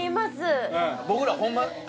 僕らホンマ